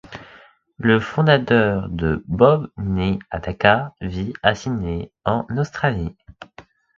Le fondateur de BoB, né à Dacca, vit à Sydney, en Australie.